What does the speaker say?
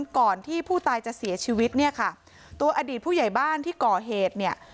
ก่อนที่ผู้ตายจะเสียชีวิตเนี่ยค่ะตัวอดีตผู้ใหญ่บ้านที่ก่อเหตุเนี่ย